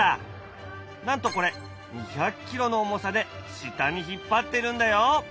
なんとこれ２００キロの重さで下に引っ張ってるんだよ。